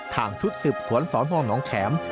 ทางชุดสิบสวรสฮนแข็ม